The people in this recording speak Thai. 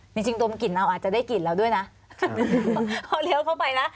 จริงจริงดมกลิ่นเราอาจจะได้กลิ่นเราด้วยนะพอเลี้ยวเข้าไปนะ